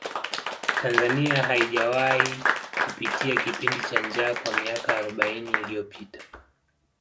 tanzania haijawahi kupitia kipindi cha njaa kwa miaka arobaini iliyopita